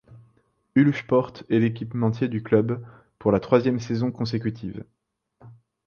Uhlsport est l'équipementier du club, pour la troisième saison consécutive.